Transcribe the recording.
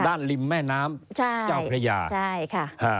ริมแม่น้ำเจ้าพระยาใช่ค่ะ